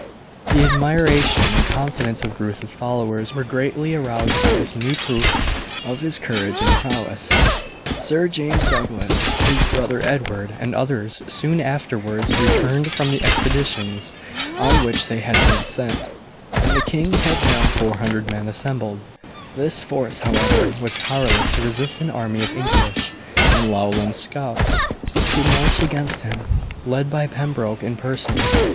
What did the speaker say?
The admiration and confidence of Bruce's followers were greatly aroused by this new proof of his courage and prowess. Sir James Douglas, his brother Edward, and others soon afterwards returned from the expeditions on which they had been sent, and the king had now 400 men assembled. This force, however, was powerless to resist an army of English and Lowland Scots who marched against him, led by Pembroke in person.